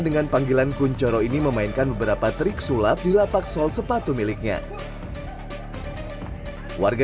dan panggilan kuncoro ini memainkan beberapa trik sulap di lapak sol sepatu miliknya warga